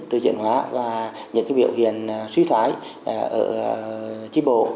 từ diễn hóa và những cái biểu hiện suy thoái ở tri bộ